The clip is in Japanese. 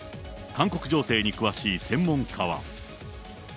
韓国情勢に詳しい専門家は。